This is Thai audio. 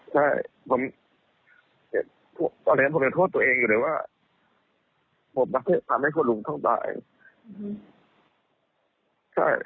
ตอนนี้ผมยังโทษตัวเองอยู่ด้วยว่าผมประเสร็จทำให้คนลุงต้องตาย